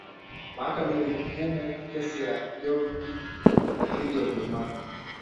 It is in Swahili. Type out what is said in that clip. mahakama ilihukumu kesi ya jorgic dhidi ya ujerumani